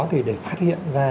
thì để phát hiện ra